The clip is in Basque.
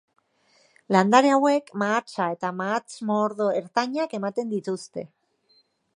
Landare hauek mahatsa eta mahats-mordo ertainak ematen dituzte.